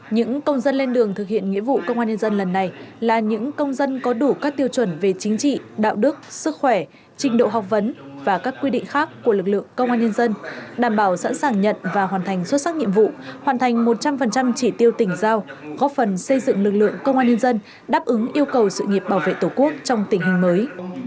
những công dân lên đường thực hiện nghĩa vụ công an nhân dân lần này là những công dân có đủ các tiêu chuẩn về chính trị đạo đức sức khỏe trình độ học vấn và các quy định khác của lực lượng công an nhân dân đảm bảo sẵn sàng nhận và hoàn thành xuất sắc nhiệm vụ hoàn thành một trăm linh chỉ tiêu tỉnh giao góp phần xây dựng lực lượng công an nhân dân đáp ứng yêu cầu sự nghiệp bảo vệ tổ quốc trong tình hình mới